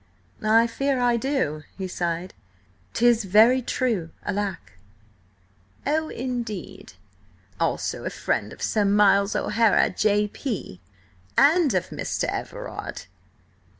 "I fear I do," he sighed. "'Tis very true, alack!" "Oh, indeed? Also a friend of Sir Miles O'Hara, J.P.—and of Mr. Everard?"